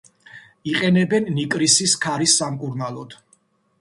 იყენებენ ნიკრისის ქარის სამკურნალოდ.